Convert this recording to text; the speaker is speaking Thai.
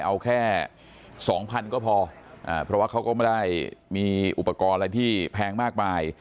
เอาแค่๒๐๐๐ก็พอเพราะว่าเขาก็ไม่ได้มีอุปกรณ์อะไรที่แพงมากมาย